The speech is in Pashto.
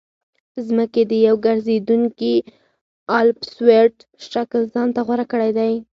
ځمکې د یو ګرځېدونکي الپسویډ شکل ځان ته غوره کړی دی